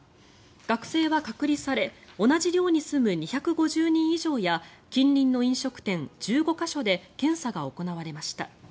学生は隔離され同じ寮に住む２５０人以上や近隣の飲食店１５か所で検査が行われました。